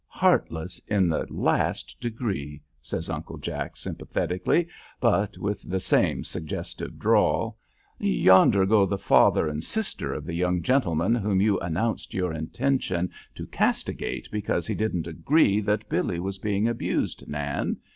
"Heartless in the last degree," says Uncle Jack, sympathetically, but with the same suggestive drawl. "Yonder go the father and sister of the young gentleman whom you announced your intention to castigate because he didn't agree that Billy was being abused, Nan.